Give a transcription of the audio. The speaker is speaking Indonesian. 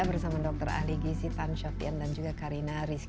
bersama dr ali gizitan shoptian dan juga karina rizky